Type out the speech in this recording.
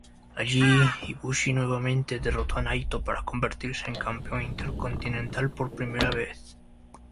Allí, Ibushi nuevamente derrotó a Naito para convertirse en Campeón Intercontinental por primera vez.